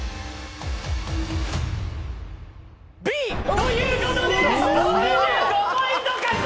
ということで６５ポント獲得！